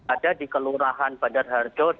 ada di kelurahan bandar harjo